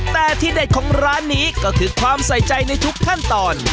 แต่ที่เด็ดของร้านนี้ก็คือความใส่ใจในทุกขั้นตอน